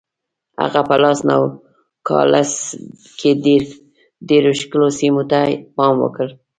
هغه په لاس نوګالس کې ډېرو ښکلو سیمو ته پام وکړ.